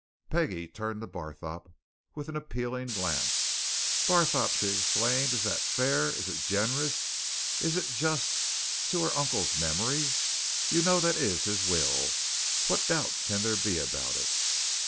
Peggie turned to Barthorpe with an appealing glance. "Barthorpe!" she exclaimed. "Is that fair is it generous? Is it just to our uncle's memory? You know that is his will what doubt can there be about it?"